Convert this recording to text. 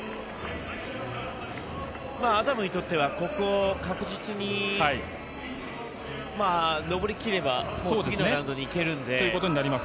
アダムにとってはここを確実に登り切れば次のラウンドに行けるので。